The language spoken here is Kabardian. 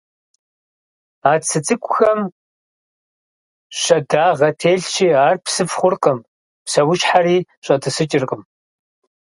А цы цӀыкӀухэм щэдагъэ телъщи, ар псыф хъуркъым, псэущхьэри щӀэтӀысыкӀыркъым.